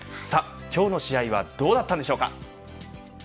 今日の試合はどうだったんでしょうか。